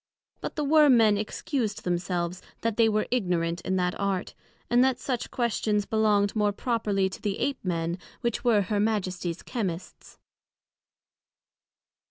But the Worm men excused themselves, that they were ignorant in that Art, and that such questions belonged more properly to the Ape men, which were Her Majesties Chymists.